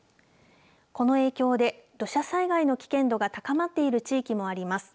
この影響で土砂災害の危険度が高まっている地域もあります。